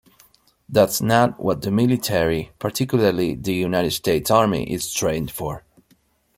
That's not what the military, particularly the United States Army, is trained for.